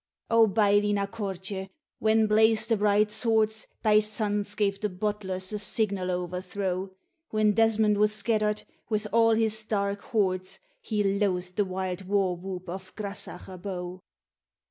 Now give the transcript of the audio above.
O, Baillie Na Cortie! when blazed the bright swords, Thy sons gave the Butlers a signal o'erthrow; When Desmond was scattered with all his dark hordes, He loathed the wild war whoop of Grasach Abo.